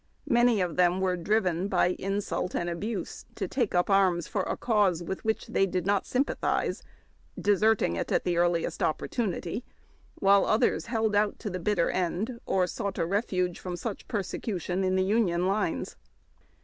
Many of them were driven l)y irjsult and abuse to take up arms for a cause with which they did not sympathize, deserting it at the Ig EAED TACK AND COFFEE. earliest opportunity, while others held out to the bitter end, or sought a refuge from such persecution in the Union lines.